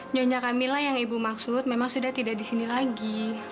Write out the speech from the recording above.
nyonya kamila yang ibu maksud memang sudah tidak di sini lagi